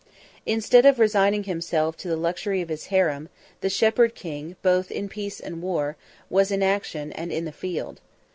Instead of resigning himself to the luxury of his harem, the shepherd king, both in peace and war, was in action and in the field.